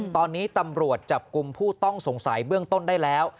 ตอนนี้ตำรวจจับกลุ่มผู้ต้องสงสัยเบื้องต้นได้แล้ว